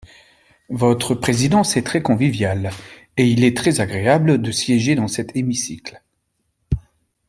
Votre présidence est très conviviale, et il est très agréable de siéger dans cet hémicycle.